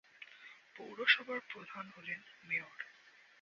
পৌরসভার প্রধান হলেন মেয়র।